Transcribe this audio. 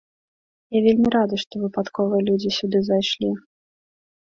Я вельмі рады, што выпадковыя людзі сюды зайшлі.